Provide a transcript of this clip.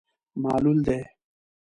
معلول دی.